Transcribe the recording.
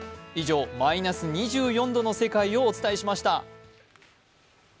以上、マイナス２４度の世界をお伝えしました。